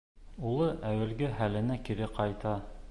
Улы, әүәлге хәленә кире ҡайта.